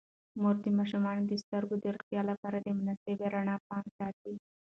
مور د ماشومانو د سترګو د روغتیا لپاره د مناسب رڼا پام ساتي.